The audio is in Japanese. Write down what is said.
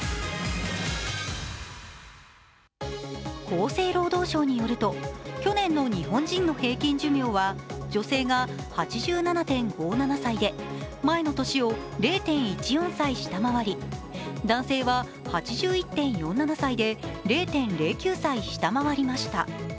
厚生労働省によりますと去年の日本人の平均寿命は女性が８７．５７歳で前の年を０．１４歳下回り、男性は８１．４７歳で０，０９歳下回りました。